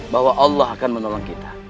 bahwa allah akan menolong kita